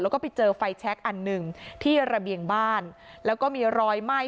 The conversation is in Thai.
แล้วก็ไปเจอไฟแชคอันหนึ่งที่ระเบียงบ้านแล้วก็มีรอยไหม้